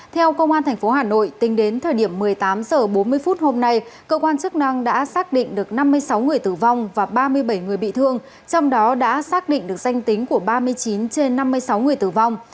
theo công an tp hà nội tính đến thời điểm một mươi tám h bốn mươi phút hôm nay cơ quan chức năng đã xác định được năm mươi sáu người tử vong và ba mươi bảy người bị thương trong đó đã xác định được danh tính của ba mươi chín trên năm mươi sáu người tử vong